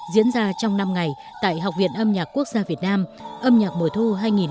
diễn ra trong năm ngày tại học viện âm nhạc quốc gia việt nam âm nhạc mùa thu hai nghìn một mươi tám